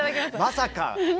まさかの。